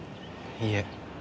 いいえ。